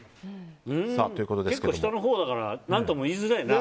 結構下のほうだから何とも言いづらいな。